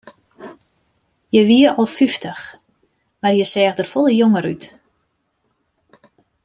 Hja wie al fyftich, mar hja seach der folle jonger út.